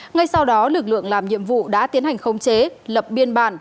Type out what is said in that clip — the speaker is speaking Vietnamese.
ngay sau đó lực lượng làm nhiệm vụ đã tiến hành khống chế lập biên bản